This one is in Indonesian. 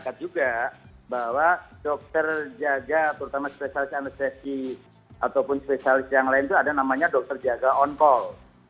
saya juga bahwa dokter jaga terutama spesialis anestesi ataupun spesialis yang lain itu ada namanya dokter jaga on call